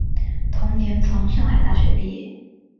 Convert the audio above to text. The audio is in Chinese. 同年从上海大学毕业。